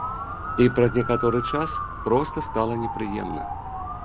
І праз некаторы час проста стала непрыемна.